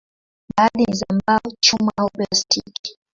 Baadhi ni za mbao, chuma au plastiki.